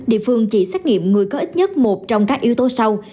địa phương chỉ xét nghiệm người có ít nhất một trong các yếu tố sau